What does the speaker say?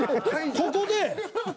ここで。